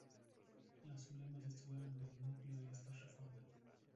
Los ulemas estuvieron en el núcleo de estas reformas.